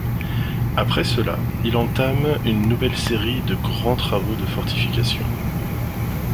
Après cela, il entame une nouvelle série de grands travaux de fortifications.